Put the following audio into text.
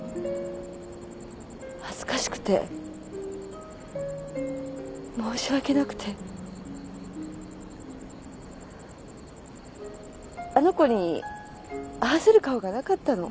恥ずかしくて申し訳なくてあの子に合わせる顔がなかったの。